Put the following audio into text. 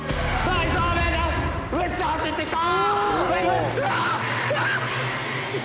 めっちゃ走ってきた！